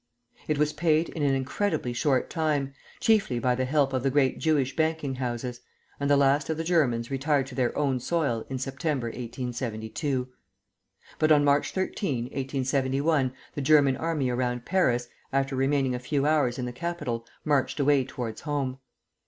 It was paid in an incredibly short time, chiefly by the help of the great Jewish banking houses; and the last of the Germans retired to their own soil in September, 1872. But on March 13, 1871, the German army around Paris, after remaining a few hours in the capital, marched away towards home.